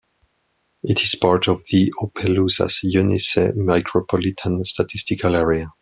It is part of the Opelousas-Eunice Micropolitan Statistical Area.